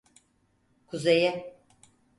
Kuzeye!